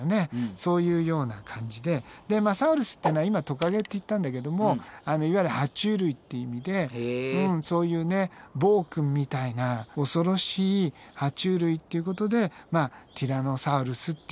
そういうような感じでサウルスっていうのは今トカゲって言ったんだけどもいわゆるは虫類って意味でそういうね暴君みたいな恐ろしいは虫類っていうことでまあティラノサウルスっていう名前がね